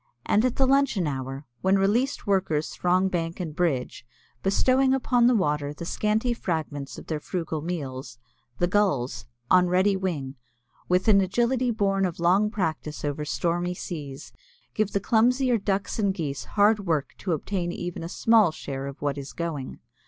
And at the luncheon hour, when released workers throng bank and bridge, bestowing upon the water the scanty fragments of their frugal meals, the gulls, on ready wing, with an agility born of long practice over stormy seas, give the clumsier Ducks and Geese hard work to obtain even a small share of what is going.